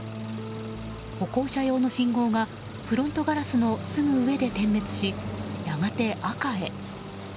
歩行者用の信号がフロントガラスのすぐ上で点滅しやがて、赤へ。